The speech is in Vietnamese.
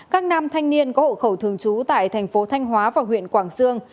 các nam thanh niên có hộ khẩu thường trú tại thành phố thanh hóa và huyện quảng sương